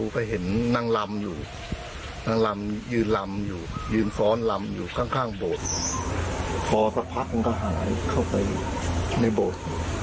พอสักพักนั้นก็หายเข้าไปในโบท